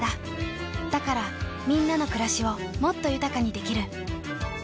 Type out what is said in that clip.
だからみんなの暮らしをもっと豊かにできる。